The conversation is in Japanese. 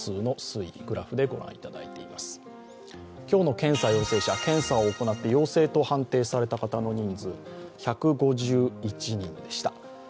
今日の検査陽性者、検査を行って陽性と判定された方の人数、１５１人でした。